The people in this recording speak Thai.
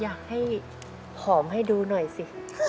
อยากให้หอมให้ดูหน่อยสิ